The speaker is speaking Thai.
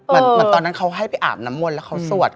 เหมือนตอนนั้นเขาให้ไปอาบน้ำมนต์แล้วเขาสวด